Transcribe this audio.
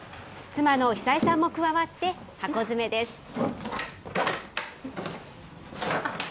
妻の久枝さんも加わって、箱詰めです。